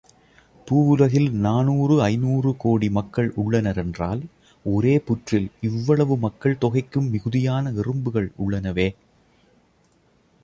பூவுலகில் நானூறு ஐந்நூறுகோடி மக்கள் உள்ளனர் என்றால், ஒரே புற்றில் இவ்வளவு மக்கள் தொகைக்கும் மிகுதியான எறும்புகள் உள்ளனவே!